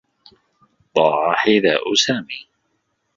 ضاع حذاء سامي.